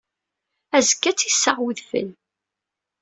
Azekka ad tt-issaɣ wedfel.